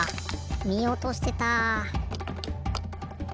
みおとしてた。